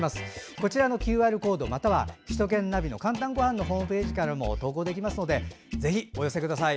こちらのＱＲコードまたは首都圏ナビの「かんたんごはん」ホームページからも投稿できますのでぜひお寄せください。